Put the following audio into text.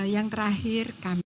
yang terakhir kami